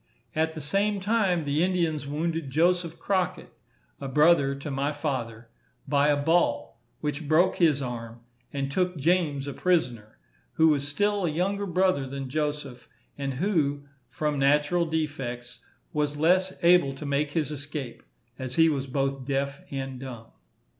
At the same time, the Indians wounded Joseph Crockett, a brother to my father, by a ball, which broke his arm; and took James a prisoner, who was still a younger brother than Joseph, and who, from natural defects, was less able to make his escape, as he was both deaf and dumb.